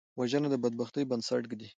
وژنه د بدبختۍ بنسټ ږدي